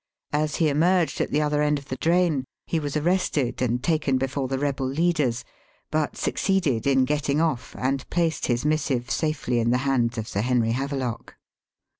As he emerged at the other end of the drain he was arrested and taken before the rebel leaders, but succeeded in getting off and placed his missive safely in the hands of Sir Henry Havelock.